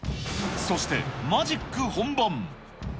そして、マジック本番。